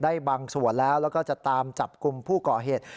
บางส่วนแล้วแล้วก็จะตามจับกลุ่มผู้ก่อเหตุ